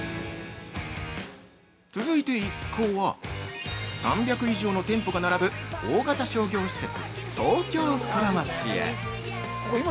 続いて一行は３００以上の店舗が並ぶ大型商業施設、東京ソラマチへ。